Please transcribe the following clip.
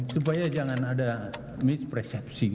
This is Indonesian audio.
supaya jangan ada mispersepsi